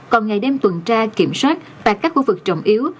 còn ngày đêm tuần tra kiểm soát tại các khu vực trọng yếu